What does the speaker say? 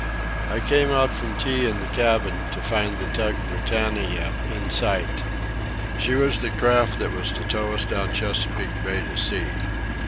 I came out from tea in the cabin to find the tug Britannia in sight. She was the craft that was to tow us down Chesapeake Bay to sea.